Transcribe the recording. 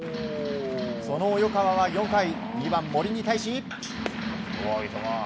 その及川は４回２番、森に対し。